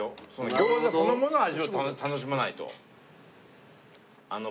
餃子そのものを味わって楽しまないと。